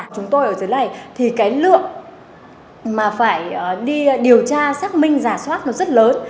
chúng tôi ở dưới này thì cái lượng mà phải đi điều tra xác minh giả soát nó rất lớn